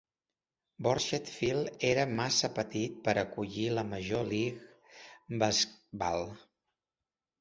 Borchert Field era massa petit per acollir la Major League Baseball.